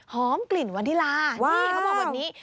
หอมกลิ่นวานิลาที่เขาบอกวันนี้